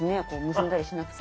結んだりしなくて。